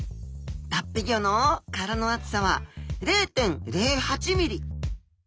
脱皮後の殻の厚さは０．０８ｍｍ。